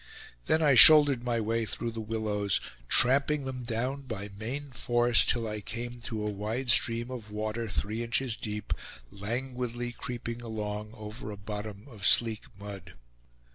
Then I shouldered my way through the willows, tramping them down by main force, till I came to a wide stream of water, three inches deep, languidly creeping along over a bottom of sleek mud.